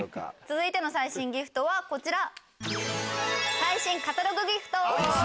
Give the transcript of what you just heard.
続いての最新ギフトはこちら。